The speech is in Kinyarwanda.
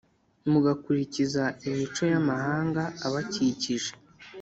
mugakurikiza imico y’amahanga abakikije